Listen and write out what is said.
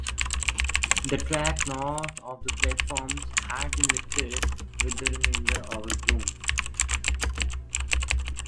The track north of the platforms had been lifted with the remainder overgrown.